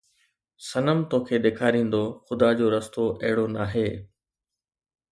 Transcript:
صنم توکي ڏيکاريندو خدا جو رستو اهڙو ناهي